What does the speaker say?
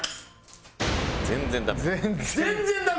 全然ダメ？